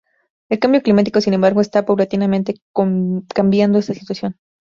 El cambio climático, sin embargo, está paulatinamente cambiando esta situación.